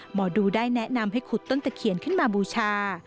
หมอดูได้แนะนำให้ขุดต้นตะเคียนขึ้นมาบูชา